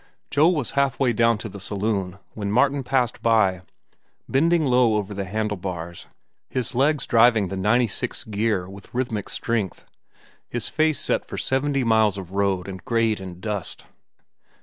Joe was halfway down to the saloon when Martin passed by, bending low over the handle bars, his legs driving the ninety six gear with rhythmic strength, his face set for seventy miles of road and grade and dust.